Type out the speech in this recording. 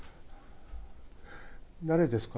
誰ですか？